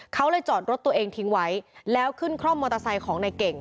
เขาเลยจอดรถตัวเองทิ้งไว้แล้วขึ้นคร่อมมอเตอร์ไซค์ของนายเก่ง